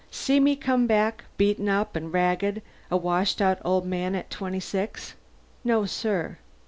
See me come back, beaten up and ragged, a washed out old man at twenty six? No, sir.